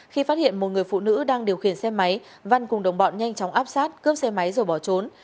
khi phát hiện một người phụ nữ đang điều khiển xe máy văn cùng đồng bọn nhanh chóng áp sát cướp xe máy rồi bỏ trốn